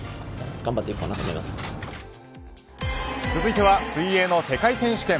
続いては水泳の世界選手権。